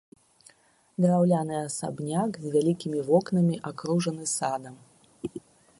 Драўляны асабняк з вялікімі вокнамі абкружаны садам.